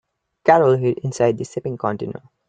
Carol hid inside the shipping container.